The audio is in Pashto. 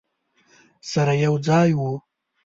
سره یو ځای وو.